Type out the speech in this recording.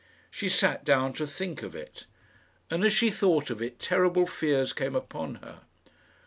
She sat down to think of it; and as she thought of it terrible fears came upon her.